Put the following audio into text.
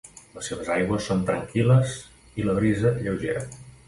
Les seves aigües són tranquil·les i la brisa lleugera.